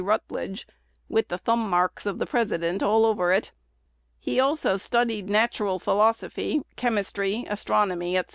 Rutledge, with the thumb marks of the President all over it. "He also studied natural philosophy, chemistry, astronomy, &c.